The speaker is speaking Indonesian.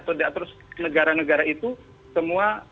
tidak terus negara negara itu semua